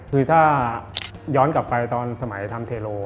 คือถ้าย้อนกลับไปตอนสมัยทำเทโล